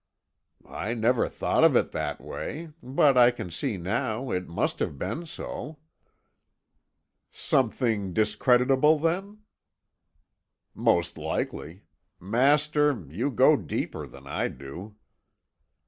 "I never thought of it in that way, but I can see now it must have been so." "Something discreditable, then?" "Most likely. Master, you go deeper than I do."